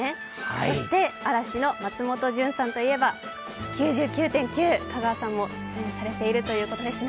そして嵐の松本潤さんといえば「９９．９」、香川さんも出演されているということですね。